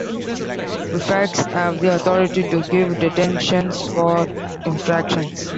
Prefects have the authority to give detentions for infractions.